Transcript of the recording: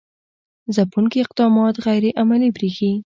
ځپونکي اقدامات غیر عملي برېښي.